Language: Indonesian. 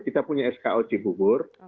kita punya sko cibubur